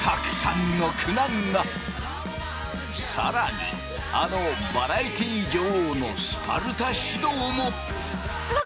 更にあのバラエティー女王のスパルタ指導も！？